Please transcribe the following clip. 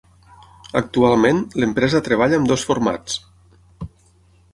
Actualment, l'empresa treballa amb dos formats.